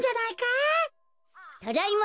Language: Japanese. ただいま。